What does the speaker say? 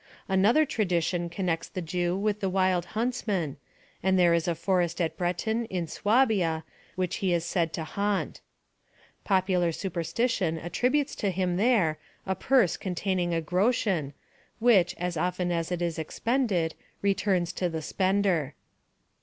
Another tradition connects the Jew with the wild huntsman, and there is a forest at Bretten, in Swabia, which he is said to haunt. Popular superstition attributes to him there a purse containing a groschen, which, as often as it is expended, returns to the spender.